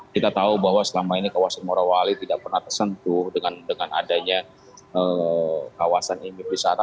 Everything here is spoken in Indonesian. kita tahu bahwa selama ini kawasan morowali tidak pernah tersentuh dengan adanya kawasan ini di sana